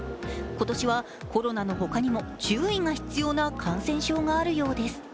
今年はコロナの他にも注意が必要な感染症があるようです。